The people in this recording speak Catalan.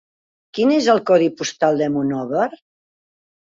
Quin és el codi postal de Monòver?